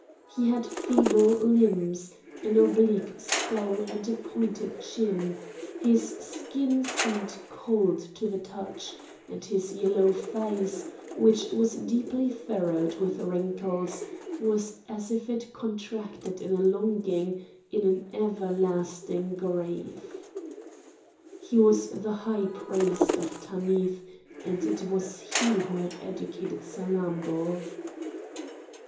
He had feeble limbs, an oblique skull and a pointed chin; his skin seemed cold to the touch, and his yellow face, which was deeply furrowed with wrinkles, was as if it contracted in a longing, in an everlasting grief. He was the high priest of Tanith, and it was he who had educated Salammbô.